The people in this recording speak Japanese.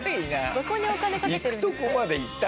どこにお金かけてる。